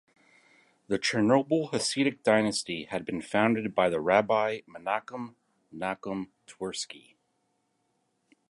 The Chernobyl Hasidic dynasty had been founded by Rabbi Menachem Nachum Twersky.